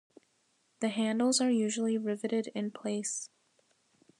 The handles are usually riveted in place.